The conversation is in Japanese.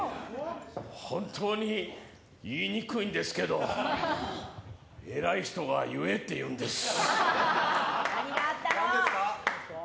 本当に言いにくいんですけれども、偉い人が言えって言うんです。